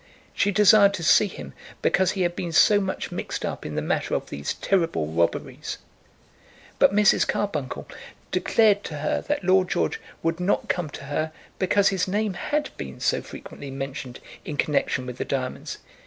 She desired to see him because he had been so much mixed up in the matter of these terrible robberies. But Mrs. Carbuncle declared to her that Lord George would not come to her because his name had been so frequently mentioned in connexion with the diamonds.